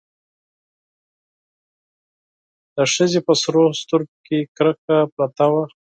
د ښځې په سرو سترګو کې کرکه پرته وه.